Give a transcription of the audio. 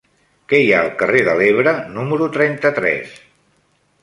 Què hi ha al carrer de l'Ebre número trenta-tres?